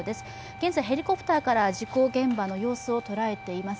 現在、ヘリコプターから事故現場の様子を捉えています。